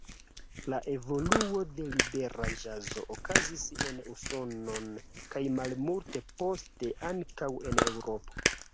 La evoluo de libera ĵazo okazis en Usonon kaj malmulte poste ankaŭ en Eŭropo.